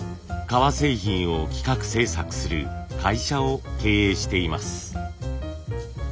革製品を企画制作する会社を経営しています。